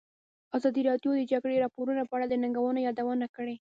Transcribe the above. ازادي راډیو د د جګړې راپورونه په اړه د ننګونو یادونه کړې.